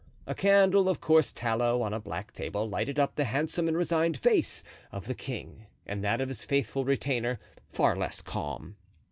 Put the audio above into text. A candle of coarse tallow on a black table lighted up the handsome and resigned face of the king and that of his faithful retainer, far less calm.